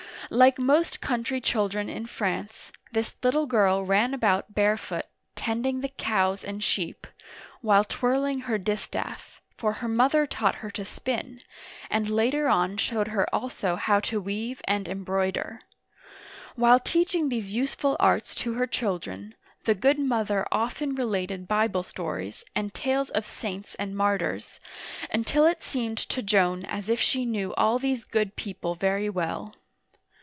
Like most country children in France, this little girl ran about barefoot, tending the cows and sheep, while twirling her distaff, for her mother taught her to spin, and later on showed her also how to weave and embroider. While teaching these useful arts to her children, the good mother often related Bible stories, and tales of saints and martyrs, until it seemed to Joan as if she knew all these good people very well.